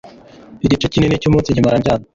Igice kinini cy’umunsi nkimara ndyamye.